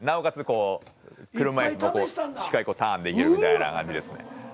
こう車椅子もしっかりこうターンできるみたいな感じですね。